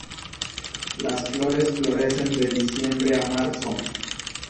Las flores florecen de diciembre a marzo.